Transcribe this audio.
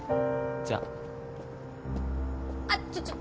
じゃあっちょちょ